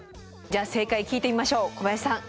じゃあ正解聞いてみましょう小林さん。